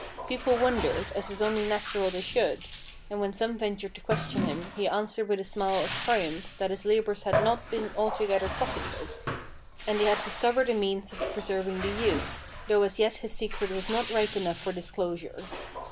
People won dered, as was only natural they should, and when some ventured to question him he answered with a smile of triumph that his labours had not been altogether profitless, and he had discovered a means of preserving the youth, though as yet his secret was not ripe enough for disclosure.